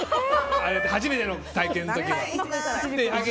初めての体験の時は。